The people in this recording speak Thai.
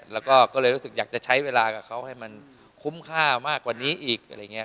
แล้วก็ก็เลยรู้สึกอยากจะใช้เวลากับเขาให้มันคุ้มค่ามากกว่านี้อีกอะไรอย่างนี้